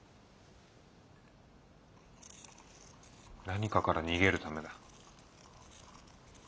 ・何かから逃げるためだ。